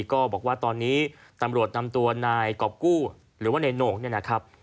ก็บอกตอนนี้ตำรวจนำตัวนายก๊อบกู้หรือเมนโนคนี่นะครับ